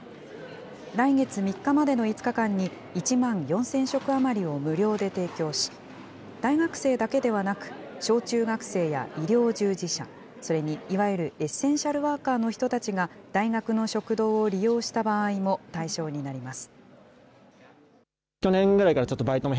来月３日までの５日間に、１万４０００食余りを無料で提供し、大学生だけではなく、小中学生や医療従事者、それにいわゆるエッセンシャルワーカーの人たちが大学の食堂を利用した場合も対象になります。